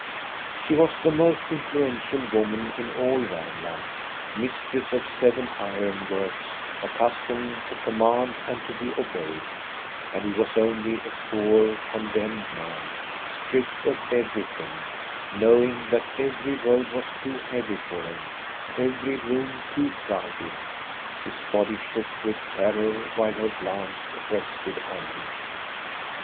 She was the most influential woman in all Varm land, mistress of seven iron works, accustomed to command and to be obeyed ; and he was only a poor, condemned man, stripped of everything, knowing that every road was too heavy for him, every room too crowded. His body shook with terror, while her glance rested on him.